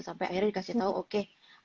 sampai akhirnya dikasih tahu oke